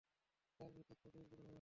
Sir এই পথটা বেশ বড় হবে।